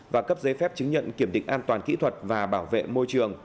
và cấp giấy phép chứng nhận kiểm định an toàn kỹ thuật và bảo vệ môi trường